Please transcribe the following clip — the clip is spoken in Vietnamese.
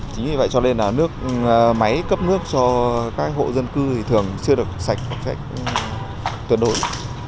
chính vì vậy cho nên là máy cấp nước cho các hộ dân cư thường chưa được sạch hoặc sạch tuyệt đối